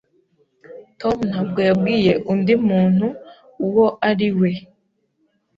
Tom ntabwo yabwiye undi muntu uwo ari we.